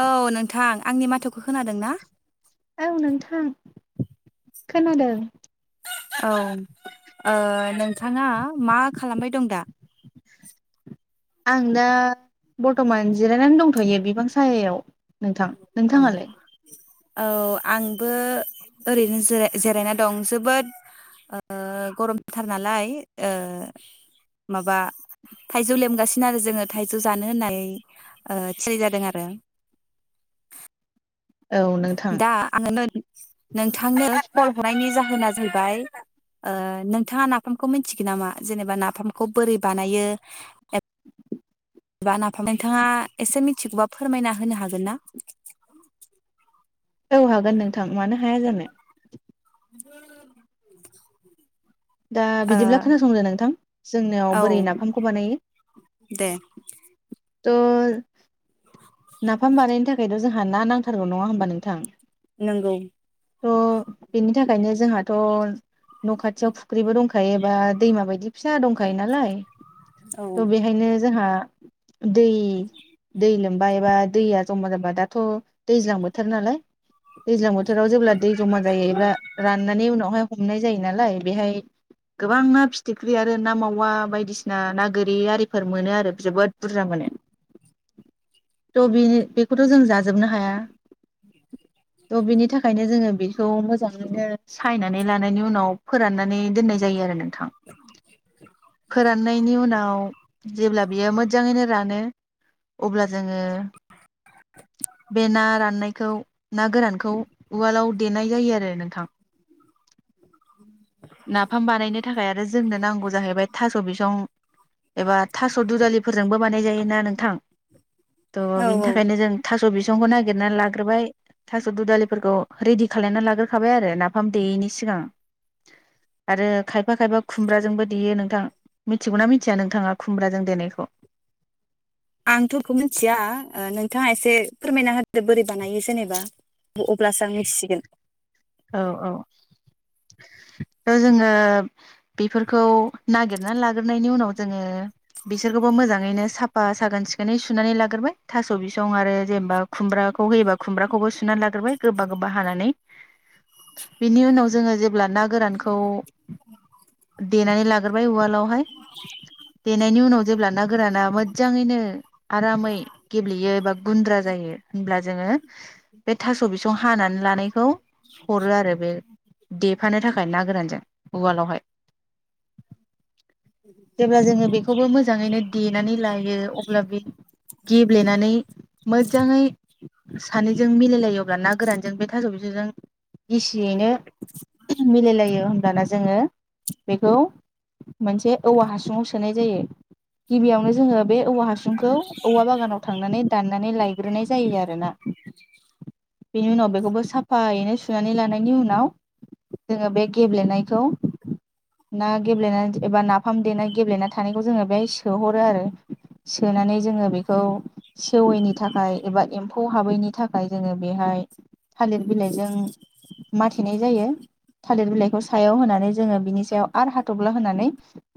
औ नोंथां आंनि माथोखौ खोनादों ना औ नोंथां खोनादों औ ओ नोंथाङा मा खालामबाय दं दा आं दा बरथमान जिरायनानै दंथ'यो बिफां साहायाव औ औ आंबो ओरैनो ज जिरायनानै दं जोबोद ओ गरमथार नालाय माबा थाइजौ लेमगासिनो आरो जोङो थाइजौ जानो होननानै ओ थियारि जादों आरो औ नोंथां दा आङो नोंथांनो कल हरनायनि जाहोन होना जाहैबाय ओ नोंथाङा नाफामखौ मिथिगोन नामा जेनेबा नाफामखौ बोरै बानायो बा नाफाम नोंथाङा एसे मिथिगौबा फोरमायना होनो हागोन ना औ हागोन नोंथां मानो हाया जानो [unintelligible] दा बिदिब्ला खोनासंदो नोंथां जोंनियाव ओ औ बोरै नाफामखौ बानायो दे द' नाफाम बानायनो थाखायथ' जों हा ना नांथागौ नङा होमबा नोंथां नोंगौ थ' बेनि थाखायनो जोंहाथ' न' खाथियाव दंखायोबा दैमा बायदि फिसा दंखायो नालाय औ थ' बेहायनो जोंहा दै दै लोमबा एबा दैया जमा जाबा दाथ' दैज्लां बोथोर नालाय दैज्लां बोथोराव जेब्ला दै जमा जायोब्ला एबा राननानै उनावहाय हमनाय जायो नालाय बेहाय गोबां ना फिथिख्रि आरो ना मावा बायदिसिना ना गोरि आरिफोर मोनो आरो जोबोद बुरजा मोनो थ' बेनो बेखौथ' जों जाजोबनो हाया थ' बिनि थाखायनो जोङो बे थ' मोजाङैनो सायनानै लानायनि उनाव फोराननानै दोननाय जायो आरो नोंथां फोराननायनि उनाव जेब्ला बियो मोजाङैनो रानो अब्ला जोङो बे ना राननायखौ ना गोरानखौ उवालाव देनाय जायो आरो नोंथां [inaudible] नाफाम बानायनो थाखाय आरो जोंनो नांगौ जाहैबाय थास' बिसं फोरजोंबो बानाय जायोना नोंथां थ' औ बिनि औ थाखायनो जों थास' बिसं बिसंखौ नागिरना लाग्रोबाय थास' दु दालिफोरखौ रेडि खालामलायना लाग्रोखाबाय आरो नाफाम देयैनि सिगां आरो खायफा खायफा खुमब्राजोंबो देयो नोंथां मिथिगौना मिथिया नोंथाङा खुमब्राजों देनायखौ आंथ' बेखौ मिथिया ओ नोंथाङा एसे फोरमायना होदो बोरै बानायो जेनेबा अब्लासो आं मिथिसिगोन औ औ थ' जोङो बेफोरखौ नागिरनानै लाग्रोननायनि उनाव जोङो बिसोरखौबो मोजाङैनो साफा साखोन सिखोनै सुनानै लाग्रोबाय थास' बिसं आरो जेनेबा खुमब्राखौ होयोबा खुमब्राखौबो सुनानै लाग्रोबाय गोबा गोबा हानानै बेनि उनाव जोङो जेब्ला ना गोरानखौ देनानै लाग्राय उवालावहाय देनायनि उनाव जेब्ला ना गोराना मोजाङैनो आरामै गेब्लेयो बा गुन्द्रा जायो होनब्ला जोङो बे थास' बिसं हानानै लानायखौ हरो आरो बे देफानो थाखाय ना गोरानजों उवालावहाय जेब्ला जोङो बेखौबो मोजाङैनो देनानै लायो अब्ला बे गेब्लेनानै मोजाङै सानैजों मिलायलायो अब्ला ना गोरानजों बे थास' बिसंजों गिसियैनो मिलायलायो होनोमब्लाना जोङो बेखौ मोनसे औवा हासुाव सोनाय जायो गिबियावनो जोङो बे औवा हासुंखौ औवा बागानाव थांनानै दाननानै लायग्रोनाय जायो आरोना बेनि उनाव बेखौबो साफायैनो सुनानै लानायनि उनाव जोङो बे गेब्लेनायखौ ना गेब्लेनानै एबा नाफाम देनाय गेब्लेना थानायखौ जोङो बेहाय सोहरो आरो सोनानै जोङो बेखौ सेवैनि थाखाय एबा एम्फौ हाबैनि थाखाय जोङो बेहाय थालिर बिलाइजों माथेनाय जायो थालिर बिलाइखौ सायाव होनानै जोङो बिनि सायाव आरो हाथफ्ला होनानै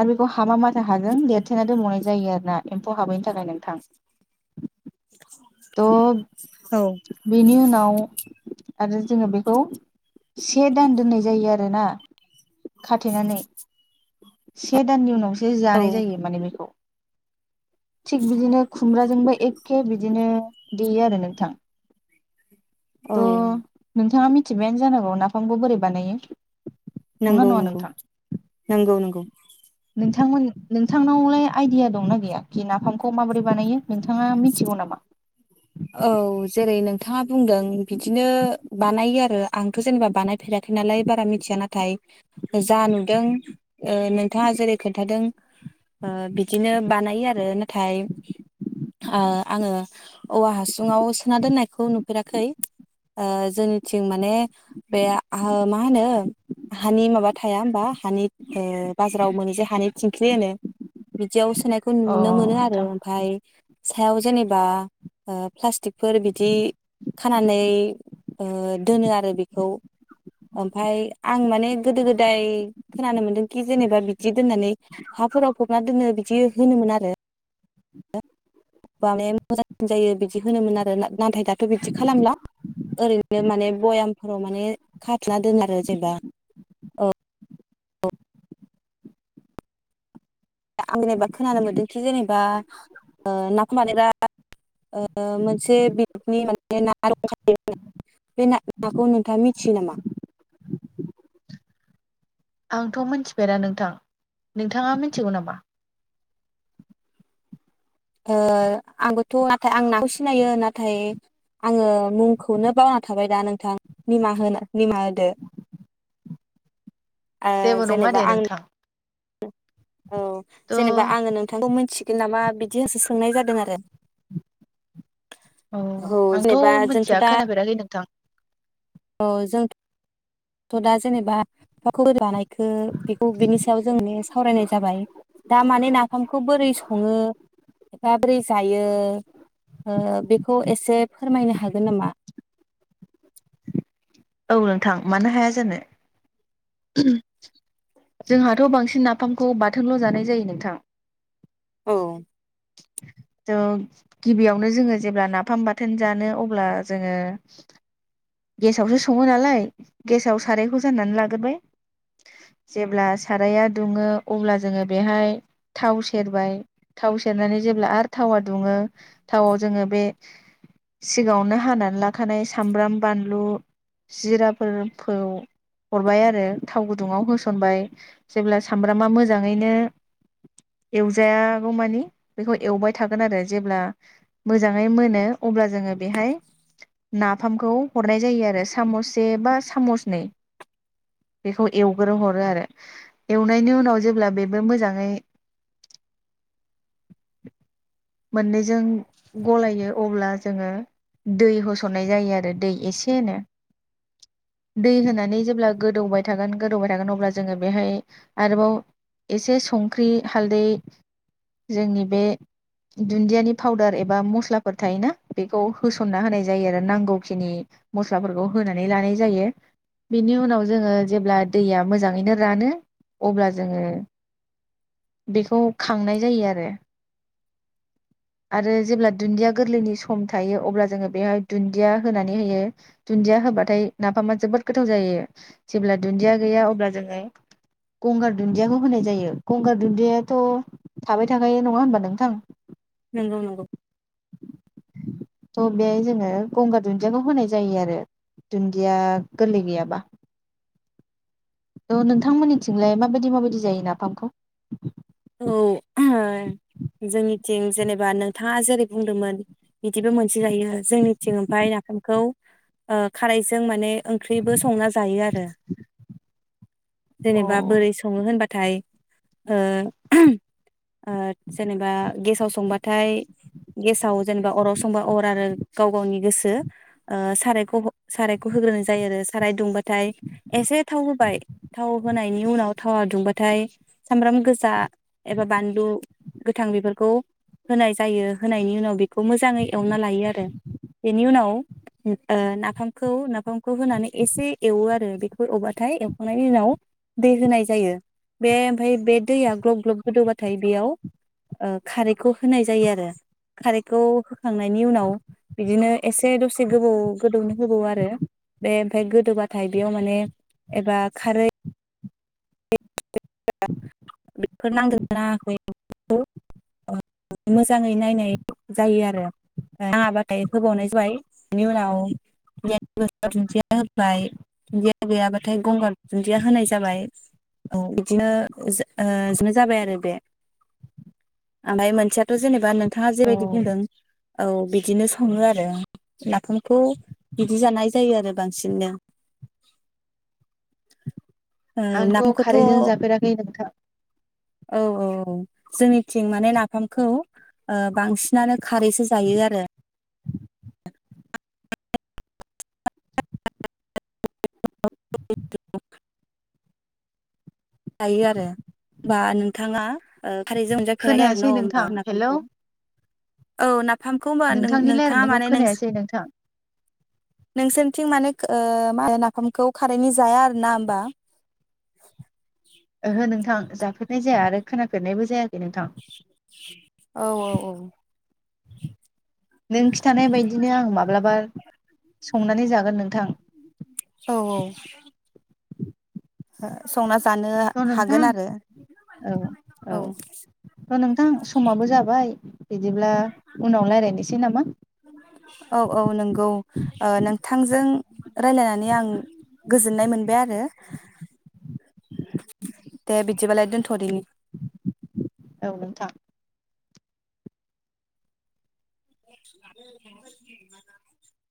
आरो बेखौ हामा माथा हाजों लेरथेना दोनबावनाय जायो आरोना एम्फौ हाबैनि थाखाय नोंथां थ' औ बिनि उनाव आरो जोङो बेखौ से दान दोननाय जायो आरोना खाथेनानै से दाननि उनावसो औ जानाय जायो माने बेखौ थिग बिदिनो खुमब्राजोंबो एखे बिदिनो देयो आरो नोंथां औ थ' नोंथाङा मिथिबायानो जानांगौ नाफामबो बोरै बानायो नंना नंगौ नङा नंगौ नोंथां नंगौ नंगौ नोंथांमोन नोंथांनावलाय आइदिया दंना गैया खि नाफामखौ माबोरै बानायो नोंथाङा मिथिगौ नामा औ जेरै नोंथाङा बुंदों बिदिनो बानायो आरो आंथ' जेनेबा बानायफेराखै नालाय बारा मिथिया नाथाय जा नुदों नोंथाङा जेरै खोन्थादों बिदिनो बानायो आरो नाथाय आङो औवा हासुङाव सोना दोननायखौ नुफेराखै आ जोंनिथिं माने बे मा होनो हानि माबा थाया होमबा हानि बाजाराव मोनै जे हानि थिंख्लि होनो बिदियाव नायखौ अ नुनो मोनो आरो नोंथां ओमफ्राय सायाव जेनेबा प्लासथिक फोर बिदि खानानै ओ दोनो आरो बेखौ ओमफाय आं माने गोदो गोदाय खोनानो मोनदोंखि जेनेबा बिदि दोननानै हाफोराव फबना दोननो बिदि होनोमोन आरो मोजांसिन जायो बिदि होनोमोन आरो नाथाय दाथ' थ' बिदि खालामला ओरैनो बिनो माने भयामफोराव माने खाथुमना दोनो आरो जेनेबा औ आं जेनेबा खोनानो मोनदोंखि जेनेबा नाफाम बानायबा [unintelligible] माने ना रंखायो बे नाखौ नोंथाङा मिथियो नामा आंथ' मिथिफेरा नोंथां नोंथाङा मिथिगौ नामा ओ आंबोथ' नाथाय आं नाखौ सिनायो नाथाय आङो मुंखौनो बावना थाबाय दा नोंथां निमाहा होनो निमाहा होदो ओ जेबो नङा दे जेनेबा आं नोंथां औ थ' जेनेबा आङो नोंथांखौ मोनथि बि नामा बिदि होसो सोंनाय जादों आरो औ आंथ' जेनेबा जोंथ' मिथिया दा खोनाफेराखै नोंथां औ जोंथ' दा जेनेबा [inaudible] लानाय बेखौ बेखौ बिनि सायाव जोंनो सावरायनाय जाबाय दा माने नाफामखौ बोरै सङो एफा बोरै जायो बेखौ एसे फोरमायनो हागोन नामा औ नोंथां मानो हाया जानो जोंहाथ' बांसिन नाफामखौ बाथोनल' जानाय जायो नोंथां औ गिबियावनो जोङो जेब्ला नाफाम बाथोन जानो अब्ला जोङो गेसावसो सङो नालाय गेसाव सारायखौ जाननानै लाग्रोबाय जेब्ला साराया दुङो अब्ला जोङो बेहाय थाव सेरबाय थाव सेरनानै जेब्ला आरो थावा दुङो थावआव जोङो बे सिगाङावनो हानानै लाखानाय सामब्राम बानलु जिराफोरखौ हरबाय आरो थाव गुदुङाव होसनबाय जेब्ला सामब्रामा मोजाङैनो एवजायागौमानि बेखौ एवबाय थागोन आरो जेब्ला मोजाङै मोनो अब्ला जोङो बेहाय नाफामखौ हरनाय जायो आरो साम'स से बा सामस नै बेखौ एवग्रो हरो आरो एवनायनि उनाव जेब्ला बेबो मोजाङै मोननैजों गलायो अब्ला जोङो दै होसननाय जायो आरो दै एसेनो दै होनानै जेब्ला गोदौबाय थागोन गोदौबाय थागोन अब्ला जोङो बेहाय आरोबाव एसे संख्रि हालदै जोंनि बे दुन्दियानि पाउदार एबा मस्लाफोर थायोना बेखौ होसनना होनाय जायो आरो नांगौखिनि मस्लाफोरखौ होनानै लानाय जायो बिनि उनाव जोङो जे दै मोनो र अब्ला जोङोखौ खांनाय जायो आरो आरो जेब्ला दुन्दिया गोरलैनि सम थायो अब्ला जोङो बेहाय दुन्दिया होनानै होयो दुन्दिया होबाथाय नाफामा जोबोद गोथाव जायो जेब्ला दुन्दिया गैया अब्ला जोङो गंगार दुन्दियाखौ होनाय जायो गंगार दुन्दियाथ' थाबाय थाखायो नङा होनबा नोंथां नोंगौ नोंगौ थ' बेहाय जोङो गंगार दुन्दियाखौ होनाय जायो आरो दुन्दिया गोरलै गैयाबा थ' नोंथांमोननिथिंलाय माबायदि माबायदि जायो नाफामखौ औ ओ जोंनिथिं जेनेबा नोंथाङा जेरै बुंदोंमोन बिदिबो मोनसे जायो जोंनिथिं ओमफ्राय नाफामखौ ओ खारैजों माने ओंख्रिबो संना जायो आरो अ जेनेबा बोरै सङो होनबा थाइ ओ ओ जेनेबा गेसाव संबाथाय गेसाव जेनेबा अराव संबा अर आरो गाव गावनि गोसो ओ सारायखौ सारायखौ होग्रोनाय जायो आरो साराय दुंबाथाय एसे थाव होबाय थाव होनायनि उनाव थावा दुंबाथाय सामब्राम गोजा एबा बानलु गोथां बेफोरखौ होनाय जायो होनायनि उनाव बेखौ मोजाङै एवना लायो आरो बेनि उनाव ओ नाफामखौ नाफामखौ होनानै एसे एवो आरो बेखौ एवबाथाय एवखांनायनि उनाव दै होनाय जायो बे ओमफाय बे दैया ग्लब ग्लब गोदौबाथाय बेयाव ओ खारैखौ होनाय जायो आरो खारैखौ होखांनायनि उनाव बिदिनो एसे दसे गोबौ गोदौनो होबावो आरो बे ओमफ्राय गोदौबाथाय बेयाव माने एबा खारै बेफोर नांदों [inaudible] ना नाङाखै मोजाङै नायनाय जायो आरो नाङाबाथाय होबावनाय जाबाय बेनि उनाव ददिया गो [inaudible] दुन्दिया होबाय दुन्दिया गैयाबाथाय गंगार दुन्दिया होनाय जाबाय औ बिदिनो ओ जानो जाबाय आरो बे ओमफ्राय मोनसेयाथ' जेनेबा नों थाङा अ जेबायदि बुंदों औ बिदिनो सङो आरो नाफामखौ बिदि जानाय जायो आरो बांसिननो ओ आंथ' नाफामखौथ' औ खारैजों जाफेराखै नोंथां औ औ औ जोंनिथिं माने नाफा मखौ ओ बांसिनानो खारैसो जायो आरो [unintelligible] लायो आरो बा नोंथाङा ओ खारैजों मोनजाफेराखै आरो खोनायासै न' होनबा नोंथां हेलौ नाफामखौ औ ना नोंथांनि रायजलायनायखौ खोनायासै नोंथां नोंसोरनिथिं माने ओ नाफामखौ खारैनि जाया आरो ना होमबा ओहो नोंथां जाफेरनाय जाया आरो खोनाफेरनायबो जायाखै नोंथां औ औ औ नों खिन्थानाय बायदिनो आं माब्लाबा संनानै जागोन नोंथां औ संना जानो र' नोंथां हागोन आरो औ औ औ र' नोंथां समाबो जाबाय बिदिब्ला उनाव रायलायनोसै नामा औ औ नंगौ नोंथांजों रायलायनानै आं गोजोननाय मोनबाय आरो दे बिदिबालाय दोनथ'दोनि औ नोंथां [unintelligible]